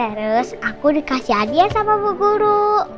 terus aku dikasih hadiah sama bu guru